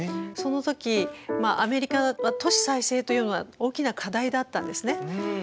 その時アメリカは都市再生というのは大きな課題だったんですね。